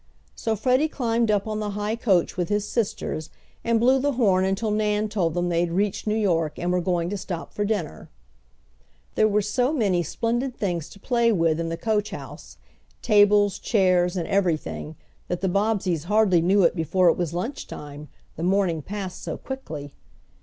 So Freddie climbed up on the high coach with his sisters, and blew the horn until Nan told them they had reached New York and were going to stop for dinner. There were so many splendid things to play with in the coach house, tables, chairs, and everything, that the Bobbseys hardly knew it before it was lunch time, the morning passed so quickly.